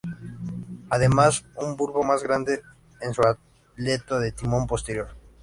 Además, un bulbo más grande en su aleta de timón posterior.